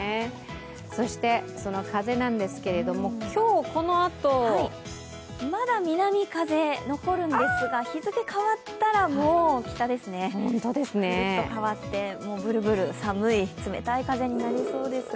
そしてその風なんですけども、今日このあとまだ南風残るんですが、日付変わったらもう北ですね、もうブルブル、寒い冷たい風になりそうです。